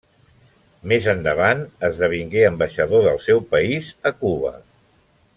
Més endavant esdevingué ambaixador del seu país a Cuba.